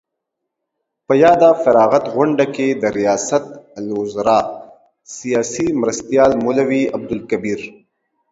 په یاده فراغت غونډه کې د ریاست الوزراء سیاسي مرستیال مولوي عبدالکبیر